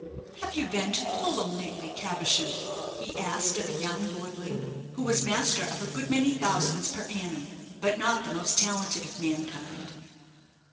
"Have you been to Fulham lately, Caversham?" he asked of a young lordling, who was master of a good many thousands per annum, but not the most talented of mankind.